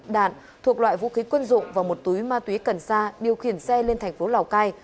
đạn thuộc loại vũ khí quân dụng và một túi ma túy cần sa điều khiển xe lên thành phố lào cai